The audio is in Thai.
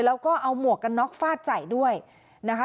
แล้วก็เอาหมวกกันน็อกฟาดใส่ด้วยนะคะ